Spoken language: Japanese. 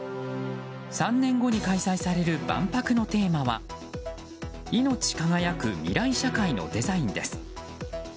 ３年後に開催される万博のテーマは「いのち輝く未来社会のデザイン」です。